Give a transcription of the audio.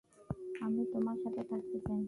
আমি তোমার সাথে থাকতে চাই।